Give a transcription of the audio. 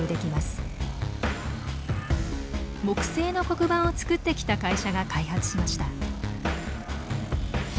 木製の黒板を作ってきた会社が開発しました。